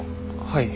はい。